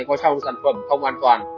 có trong sản phẩm không an toàn